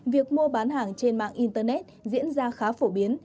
việc mua bán hàng trên mạng internet diễn ra khá phổ biến